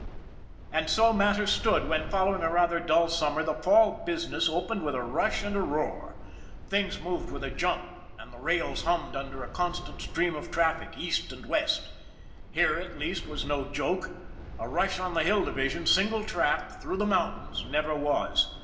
And so matters stood when, following a rather dull summer, the fall business opened with a rush and a roar. Things moved with a jump, and the rails hummed under a constant stream of traffic east and west. Here, at least, was no joke a rush on the Hill Division, single track, through the mountains, never was.